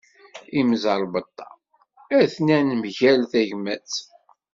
Imẓerbeḍḍa atni mgal tegmat.